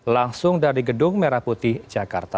langsung dari gedung merah putih jakarta